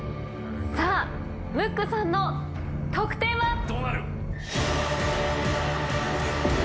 さあムックさんの得点は？